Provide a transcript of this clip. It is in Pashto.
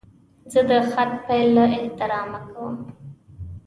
زه د خط پیل له احترامه کوم.